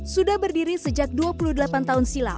sudah berdiri sejak dua puluh delapan tahun silam